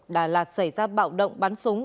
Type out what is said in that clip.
đà lạt xảy ra bạo động bắn súng